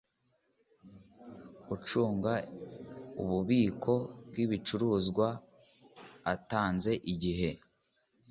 ucunga ububiko bw’ibicuruzwa atanze igice